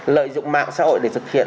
lợi dụng mạng xã hội để thực hiện